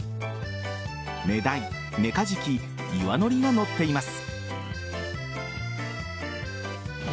メダイ、メカジキイワノリが載っています。